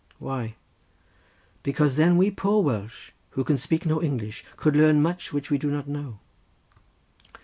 "Why?" "Because then we poor Welsh who can speak no English could learn much which we do not know."